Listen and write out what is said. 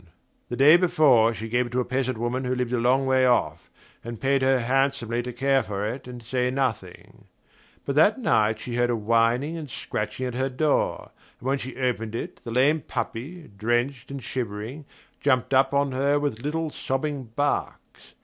The day before, she gave it to a peasant woman who lived a long way off, and paid her handsomely to care for it and say nothing; but that night she heard a whining and scratching at her door, and when she opened it the lame puppy, drenched and shivering, jumped up on her with little sobbing barks.